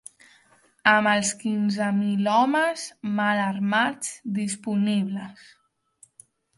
Amb els quinze mil homes mal armats disponibles